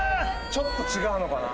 ちょっと違うのかな。